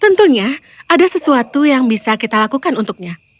tentunya ada sesuatu yang bisa kita lakukan untuknya